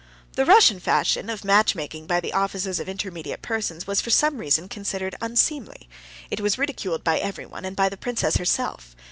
The Russian fashion of matchmaking by the offices of intermediate persons was for some reason considered unseemly; it was ridiculed by everyone, and by the princess herself.